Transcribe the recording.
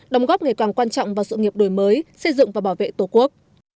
đồng góp ngày càng quan trọng vào sự nghiệp đổi mới xây dựng và bảo vệ tổ quốc